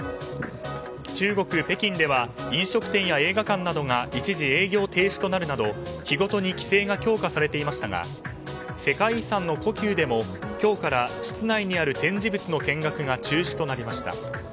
中国・北京では飲食店や映画館などが一時営業停止となるなど日ごとに規制が強化されていましたが世界遺産の故宮でも今日から、室内にある展示物の見学が中止となりました。